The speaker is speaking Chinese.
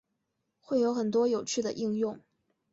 会有很多有趣的应用